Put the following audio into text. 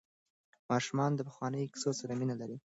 ماشومان د پخوانیو کیسو سره مینه لري.